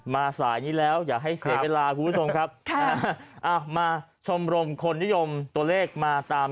สายนี้แล้วอย่าให้เสียเวลาคุณผู้ชมครับค่ะมาชมรมคนนิยมตัวเลขมาตาม